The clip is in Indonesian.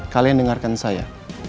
kalian dengarkan saya